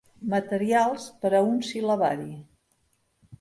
«Materials per a un sil·labari».